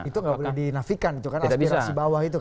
itu nggak boleh dinafikan itu kan aspirasi bawah itu